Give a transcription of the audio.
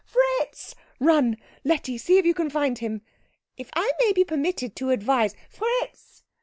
Fritz! Run, Letty, and see if you can find him." "If I may be permitted to advise " "Fritz! Fritz!